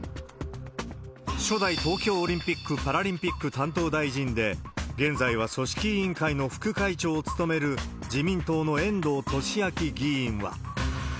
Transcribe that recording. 初代東京オリンピック・パラリンピック担当大臣で、現在は組織委員会の副会長を務める、自民党の遠藤利明議員は。